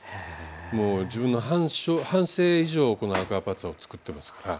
もう自分の半生以上このアクアパッツァを作ってますから。